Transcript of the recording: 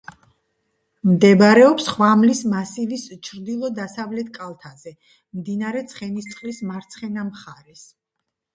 მდებარეობს ხვამლის მასივის ჩრდილო-დასავლეთ კალთაზე, მდინარე ცხენისწყლის მარცხენა მხარეს.